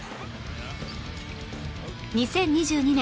２０２２年